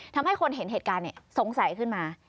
ทำให้คนเห็นเหตุการณ์สงสัยขึ้นมา